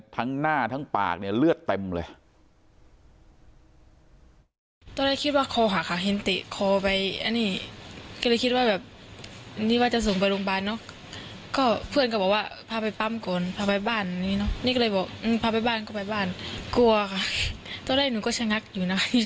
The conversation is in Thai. ทั้งหน้าทั้งปากเนี่ยเลือดเต็มเลย